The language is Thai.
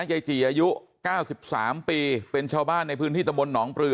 ยายจีอายุ๙๓ปีเป็นชาวบ้านในพื้นที่ตะบนหนองปลือ